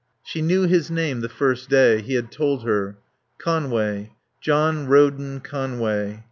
She knew his name the first day. He had told her. Conway. John Roden Conway.